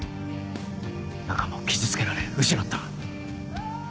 仲間を傷つけられ失った。